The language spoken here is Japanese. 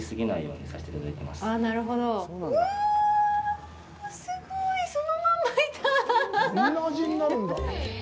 う、すごい、そのままいた！